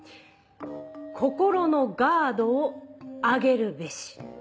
心のガードを上げるべし。